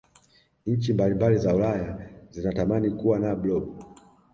nchi mbalimbali za ulaya zinatamani Kuwa na blob